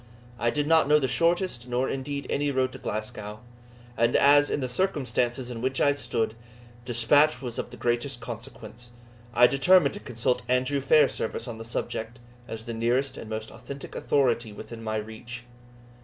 I did not know the shortest, nor indeed any road to Glasgow; and as, in the circumstances in which I stood, despatch was of the greatest consequence, I determined to consult Andrew Fairservice on the subject, as the nearest and most authentic authority within my reach.